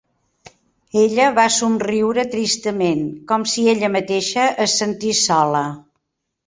Ella va somriure tristament, com si ella mateixa es sentís sola.